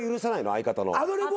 相方の。